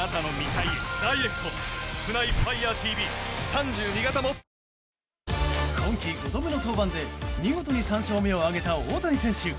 戦いに向けての今季５度目の登板で見事に３勝目を挙げた大谷選手。